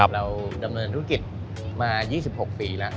เราดำเนินธุรกิจมา๒๖ปีแล้ว